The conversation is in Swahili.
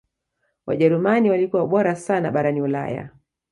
wajerumani walikua bora sana barani ulaya